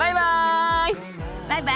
バイバイ！